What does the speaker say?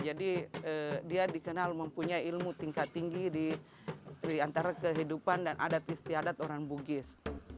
jadi dia dikenal mempunyai ilmu tingkat tinggi di antara kehidupan dan adat istiadat orang bugis